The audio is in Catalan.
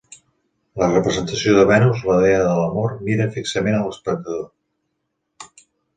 La representació de Venus, la dea de l'amor, mira fixament a l'espectador.